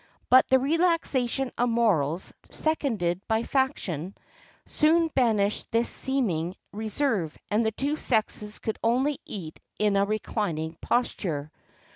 [XXXII 47] But the relaxation of morals, seconded by fashion, soon banished this seeming reserve, and the two sexes could only eat in a reclining posture.